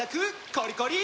コリコリ！